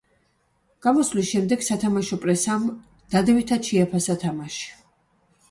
გამოსვლის შემდეგ, სათამაშო პრესამ დადებითად შეაფასა თამაში.